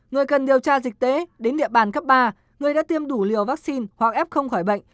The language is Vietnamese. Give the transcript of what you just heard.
người cần điều tra dịch tễ đến địa bàn cấp ba người đã tiêm đủ liều vaccine hoặc f không khỏi bệnh